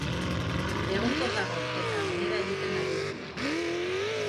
Egonkor dago, eta onera egiten ari da.